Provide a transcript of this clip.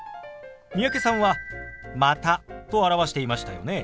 三宅さんは「また」と表していましたよね。